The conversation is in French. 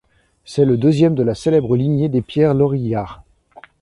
C’est le deuxième de la célèbre lignée des Pierre Lorillard.